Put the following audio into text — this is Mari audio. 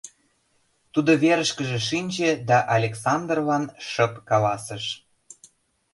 Тудо верышкыже шинче да Александрлан шып каласыш: